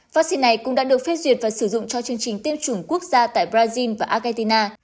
vaccine này cũng đã được phê duyệt và sử dụng cho chương trình tiêm chủng quốc gia tại brazil và argentina